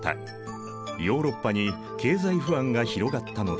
ヨーロッパに経済不安が広がったのだ。